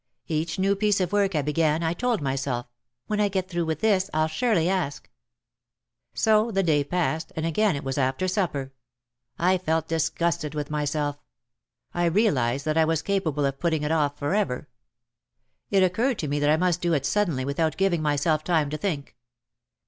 Each new piece of work I began I told myself: "When I get through with this, I'll surely ask." So the day passed and again it was after supper. I felt disgusted with myself. I realised that I was ca pable of putting it off forever. It occurred to me that I must do it suddenly without giving myself time to think.